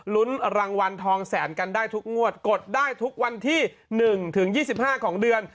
ลุ้นรางวัลทองแสนกันได้ทุกงวดกดได้ทุกวันที่๑ถึง๒๕ของเดือน